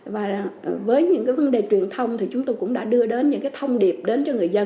và với những cái vấn đề truyền thông thì chúng tôi cũng đã đưa đến những cái thông điệp đến cho người dân